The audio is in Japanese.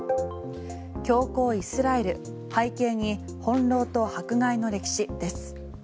強硬イスラエル、背景にほんろうと迫害の歴史です。